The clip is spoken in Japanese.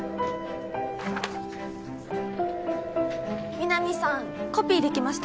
南さんコピーできました。